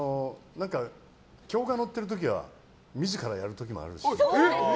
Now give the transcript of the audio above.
乗ってる時は自らやる時もありますし。